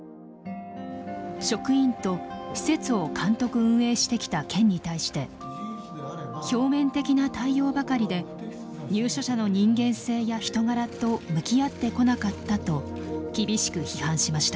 職員と施設を監督運営してきた県に対して表面的な対応ばかりで入所者の人間性や人柄と向き合ってこなかったと厳しく批判しました。